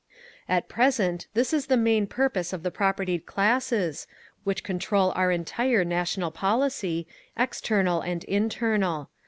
At present this is the main purpose of the propertied classes, which control our entire national policy—external and internal.